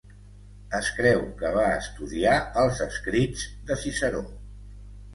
Es creu que va estudiar els escrits de Ciceró.